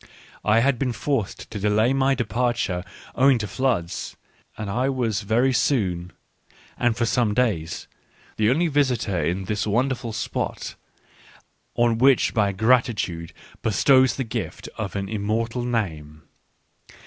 I had been forced to delay my depart ure owing to floods, and I was very soon, and for some days, the only visitor in this wonderful spot, on which my gratitude bestows the gift of an im mortal name.